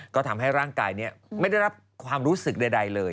ก็ทำให้ร่างกายนี้ไม่ได้รับความรู้สึกใดเลย